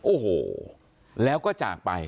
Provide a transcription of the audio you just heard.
โอ้โหแล้วก็จากไป